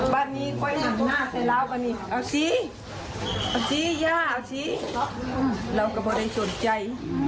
แบบนี้ก็จะหังหน้าเอาซิเอาซิเราก็บอกได้โจชนใจ